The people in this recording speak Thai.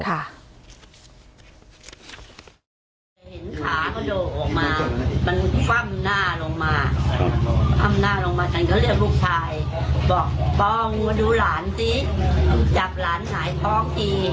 เห็นขาดก็โดดออกมามันฟั่มหน้าลงมาข้างเขาเรียกลูกชายบอกป้องดูหลานจับหลานหายท้องจิ